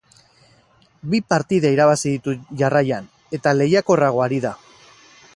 Bi partida irabazi ditu jarraian, eta lehiakorrago ari da.